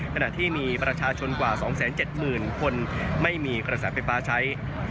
ขณะที่มีประชาชนกว่า๒๗๐๐๐คนไม่มีกระแสไฟฟ้าใช้